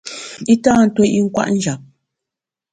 I tâ ntuo i nkwet njap.